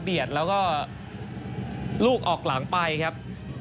แล้วก็ลูกออกหลังไปครับ